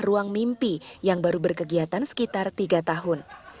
ruang mimpi yang baru berkegiatan sekitar tiga tahun